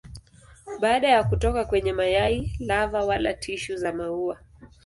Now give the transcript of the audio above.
Baada ya kutoka kwenye mayai lava wala tishu za maua.